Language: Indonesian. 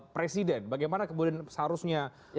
presiden bagaimana kemudian seharusnya